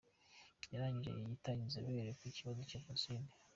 Yarangije yiyita inzobere ku kibazo cya jenoside.